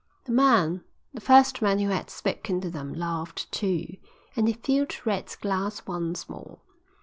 The man, the first man who had spoken to them, laughed too, and he filled Red's glass once more.